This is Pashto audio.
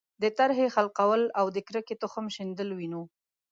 د ترهې خلقول او د کرکې تخم شیندل وینو.